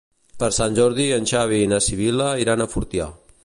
Per Sant Jordi en Xavi i na Sibil·la iran a Fortià.